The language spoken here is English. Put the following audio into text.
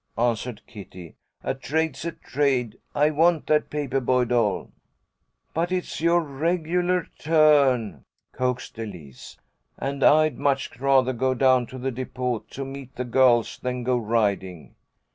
_" answered Kitty. "A trade's a trade. I want that paper boy doll." "But it's your regular turn," coaxed Elise, "and I'd much rather go down to the depot to meet the girls than go riding."